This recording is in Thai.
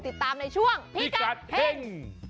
ติดตามในช่วงเฮ่ง